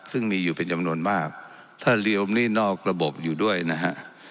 ซึ่งมีอยู่เป็นจำนวนมากถ้ารวมหนี้นอกระบบอยู่ด้วยนะฮะ